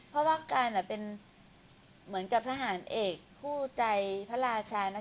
เพราะว่าการเป็นเหมือนกับทหารเอกคู่ใจพระราชา